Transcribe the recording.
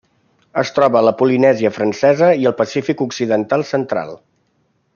Es troba a la Polinèsia Francesa i al Pacífic occidental central.